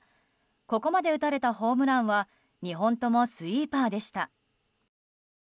ここまで打たれたホームランは２本ともスイーパーでした。